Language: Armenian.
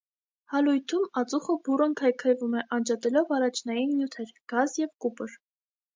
Հալույթում ածուխը բուռն քայքայվում է՝ անջատելով առաջնային նյութեր՝ գազ և կուպր։